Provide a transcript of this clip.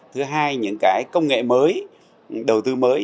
thứ hai những cái công nghệ mới đầu tư mới